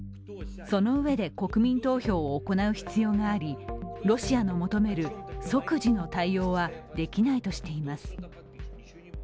そのうえで国民投票を行う必要がありロシアの求める即時の対応はできないとしています。